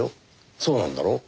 そうなんだろう？